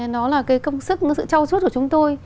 nó là cái công sức sự trao suốt của chúng tôi